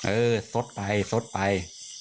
เออสดไปซดไป